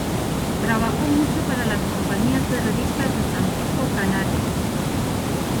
Trabajó mucho para las compañías de revistas de Francisco Canaro.